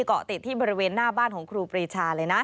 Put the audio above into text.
เกาะติดที่บริเวณหน้าบ้านของครูปรีชาเลยนะ